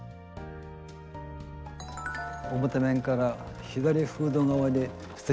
表面から左フード側にステッチをかけます。